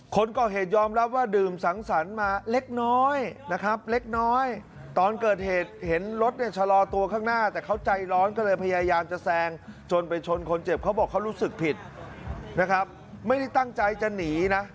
คนก่อเหตุยอมรับว่าดื่มสังสรรค์มาเล็กน้อยนะครับเล็กน้อยตอนเกิดเหตุเห็นรถเนี่ยชะลอตัวข้างหน้าแต่เขาใจร้อนก็เลยพยายามจะแซงจนไปชนคนเจ็บเขาบอกเขารู้สึกผิดนะครับไม่ได้ตั้งใจจะหนีนะ